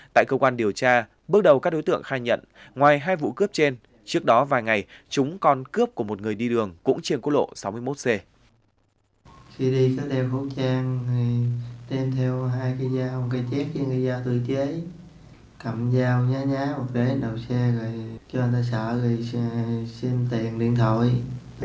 tại cơ quan điều tra bước đầu các đối tượng khai nhận ngoài hai vụ cướp trên trước đó vài ngày chúng còn cướp của một người đi đường cũng trên quốc lộ sáu mươi một c